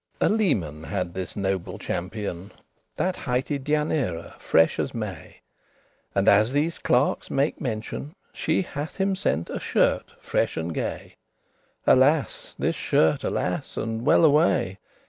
A leman had this noble champion, That highte Dejanira, fresh as May; And, as these clerkes make mention, She hath him sent a shirte fresh and gay; Alas! this shirt, alas and well away!